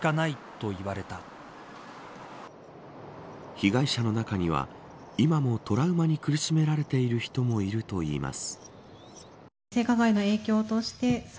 被害者の中には今もトラウマに苦しめられている人もいるといいます。